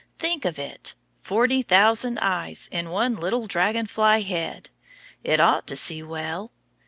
Think of it! Forty thousand eyes in one little dragon fly head. It ought to see well.